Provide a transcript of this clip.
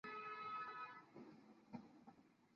工草书喜吟诗。